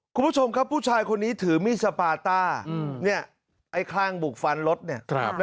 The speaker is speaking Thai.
คุณผู้ชมครับผู้ชายคนนี้ถือมีดสปาต้าเนี่ยไอ้คลั่งบุกฟันรถเนี่ย